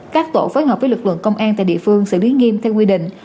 các tổ phối hợp với lực lượng công an tại địa phương xử lý nghiêm theo quy định